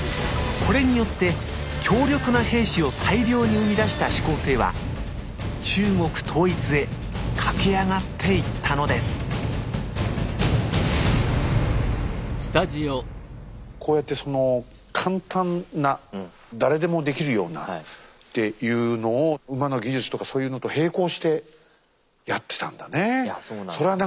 これによって強力な兵士を大量に生み出した始皇帝は中国統一へ駆け上がっていったのですこうやってその簡単な誰でもできるようなっていうのを馬の技術とかそういうのと並行してやってたんだねえ。